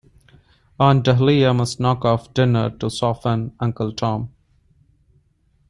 Aunt Dahlia must knock off dinner to soften Uncle Tom.